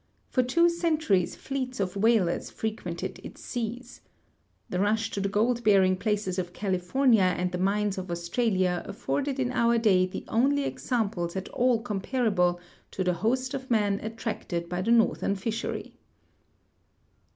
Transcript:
For two centuries fleets of whalers frequented its seas. The rush to the gold bear ing placers of California and the mines of Australia afforded in our day the only examples at all comparable to the host of men attracted by the northern fishery."